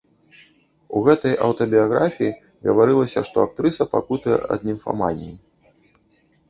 У гэтай аўтабіяграфіі гаварылася, што актрыса пакутуе ад німфаманіі.